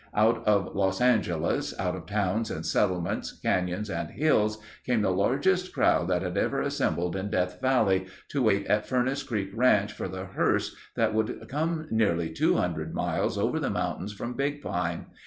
Out of Los Angeles, out of towns and settlements, canyons, and hills came the largest crowd that had ever assembled in Death Valley, to wait at Furnace Creek Ranch for the hearse that would come nearly 200 miles over the mountains from Big Pine.